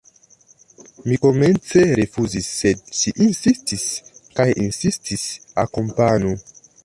Mi komence rifuzis, sed ŝi insistis kaj insistis: Akompanu!